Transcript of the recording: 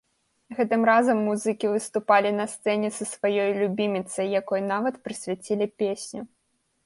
Гэтым разам музыкі выступалі на сцэне са сваёй любіміцай, якой нават прысвяцілі песню.